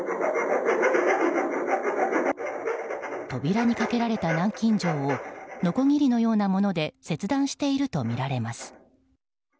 扉にかけられた南京錠をのこぎりのようなもので切断しているとみられます。